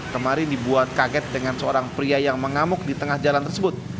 kemarin dibuat kaget dengan seorang pria yang mengamuk di tengah jalan tersebut